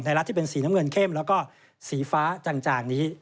รัฐที่เป็นสีน้ำเงินเข้มแล้วก็สีฟ้าจางนี้